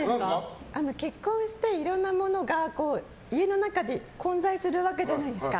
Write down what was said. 結婚していろんなものが家の中で混在するわけじゃないですか。